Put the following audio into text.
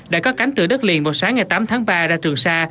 đã có cánh từ đất liền vào sáng ngày tám tháng ba ra trường sa